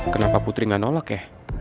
kenapa putri nggak nolak ya